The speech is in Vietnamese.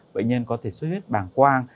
bệnh nhân có thể suất huyết bàng quang